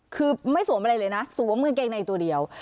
คือไม่สวมอะไรเลยนะสวมกางเกงในตัวเดียว